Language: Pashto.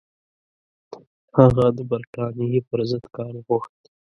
هغه د برټانیې پر ضد کار وغوښت.